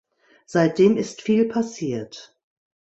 Seitdem ist viel passiert.